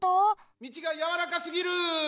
みちがやわらかすぎる！